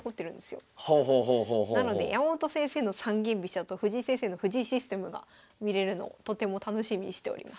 なので山本先生の三間飛車と藤井先生の藤井システムが見れるのをとても楽しみにしております。